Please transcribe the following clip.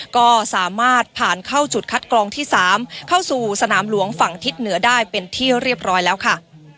ก็สามารถผ่านเข้าจุดคัดกรองที่๓เข้าสู่สนามหลวงฝั่งทิศเหนือได้เป็นที่เรียบร้อยแล้วค่ะ